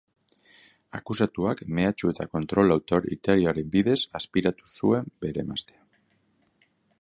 Akusatuak mehatxu eta kontrol autoritarioaren bidez azpiratu zuen bere emaztea.